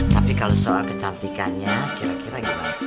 tapi kalau soal kecantikannya kira kira gimana